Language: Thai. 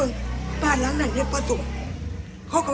อันดับสุดท้ายก็คืออันดับสุดท้าย